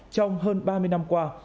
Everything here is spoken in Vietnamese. trong hơn ba mươi năm qua